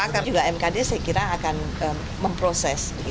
maka juga mkd saya kira akan memproses